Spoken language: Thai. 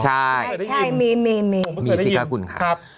ใช่มีสิกากุลค่ะ